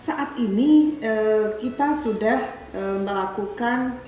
saat ini kita sudah melakukan